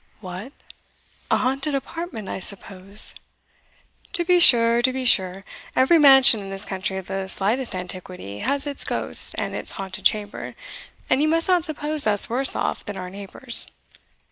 "What! a haunted apartment, I suppose?" "To be sure, to be sure every mansion in this country of the slightest antiquity has its ghosts and its haunted chamber, and you must not suppose us worse off than our neighbours.